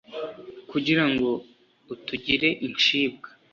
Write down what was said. kugirango utugire incibwa